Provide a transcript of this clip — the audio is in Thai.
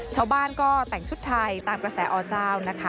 ชาวบ้านก็แต่งชุดไทยตามกระแสอเจ้านะคะ